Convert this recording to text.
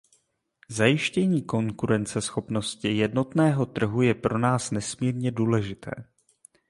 Zajištění konkurenceschopnosti jednotného trhu je pro nás nesmírně důležité.